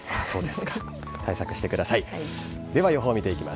そうですか、対策してください。